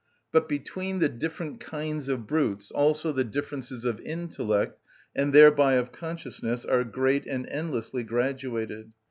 But between the different kinds of brutes also the differences of intellect, and thereby of consciousness, are great and endlessly graduated.